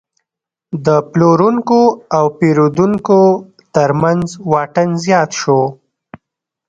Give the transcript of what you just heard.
د پلورونکو او پیرودونکو ترمنځ واټن زیات شو.